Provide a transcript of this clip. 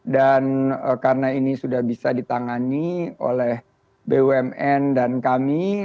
karena ini sudah bisa ditangani oleh bumn dan kami